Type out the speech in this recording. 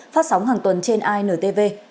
phát sóng hàng tuần trên intv